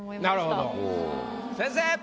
先生！